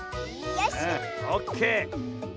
オッケー。